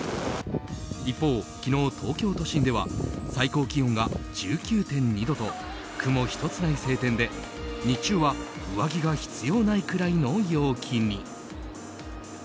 一方、昨日、東京都心では最高気温が１９．２度と雲一つない晴天で、日中は上着が必要ないくらいの陽気に。